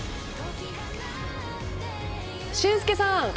俊輔さん